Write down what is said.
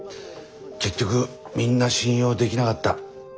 結局みんな信用できなかった。